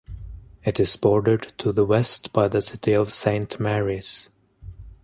It is bordered to the west by the city of Saint Marys.